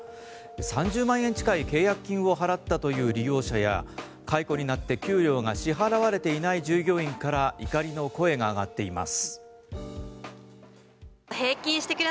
３０万円近い契約金を払ったという利用者や解雇になって給料が支払われていない従業員から怒りの声が上がっています。